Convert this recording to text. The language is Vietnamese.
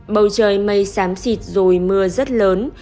bầu trời mây sám xịt rồi mưa rất lớn